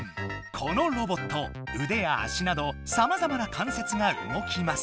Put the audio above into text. このロボットうでや足などさまざまな関節が動きます